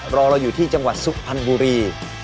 รอเราอยู่ที่จังหวัดสุพรรณบุรี